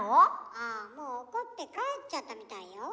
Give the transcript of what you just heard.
あもう怒って帰っちゃったみたいよ。